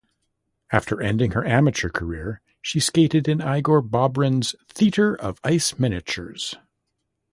After ending her amateur career, she skated in Igor Bobrin's Theater of Ice Miniatures.